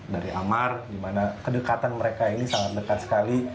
dari amar di mana kedekatan mereka ini sangat dekat sekali